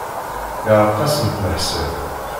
Yeɛreq-asent leḥsab.